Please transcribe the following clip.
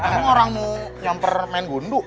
kamu orang mau nyamper main gundu